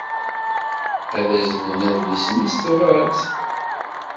Ad aznen adlis-nni s tebṛat.